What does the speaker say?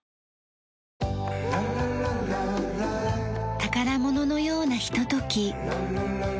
宝物のようなひととき。